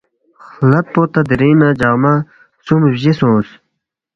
”خلد پو تا دِرِنگ نہ جقمہ خسُوم بجی سونگس